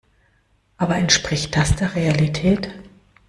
Aber entspricht das der Realität?